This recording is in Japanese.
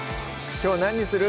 きょう何にする？